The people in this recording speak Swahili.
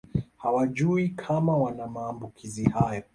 Hawajui kama wana maambukizi hayo